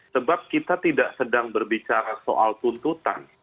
sebab kita tidak sedang berbicara soal tuntutan